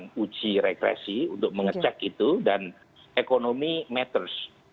kita sudah melakukan uji untuk mengecek itu dan ekonomi matters